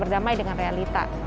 berdamai dengan realita